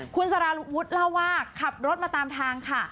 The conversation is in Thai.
คุณสารวุฒิเล่าว่าขับรถมาตามทางค่ะ